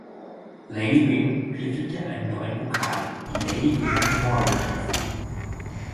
Lady Byng stiftete einen neuen Pokal, die Lady Byng Memorial Trophy.